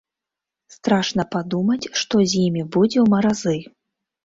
Страшна падумаць, што з імі будзе ў маразы.